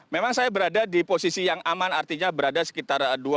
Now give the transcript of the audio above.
memang saya berada di posisi yang aman artinya berada sekitar